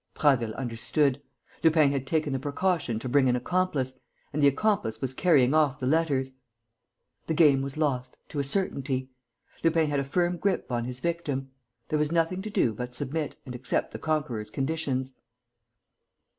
Prasville understood: Lupin had taken the precaution to bring an accomplice, and the accomplice was carrying off the letters. The game was lost, to a certainty. Lupin had a firm grip on his victim. There was nothing to do but submit and accept the conqueror's conditions.